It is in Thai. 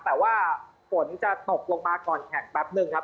แต่ว่าฝนจะตกลงมาก่อนแข่งแป๊บนึงครับ